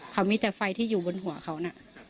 เขามีแต่ไฟที่อยู่บนหัวเขานะ